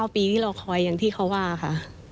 ปีที่เราคอยอย่างที่เขาว่าค่ะ